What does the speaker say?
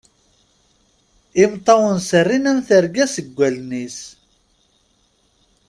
Imeṭṭawen serrin am terga seg wallen-is.